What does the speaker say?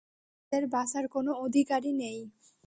তাদের বাঁচার কোন অধিকারই নেই।